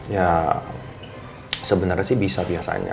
ya sebenarnya sih bisa biasanya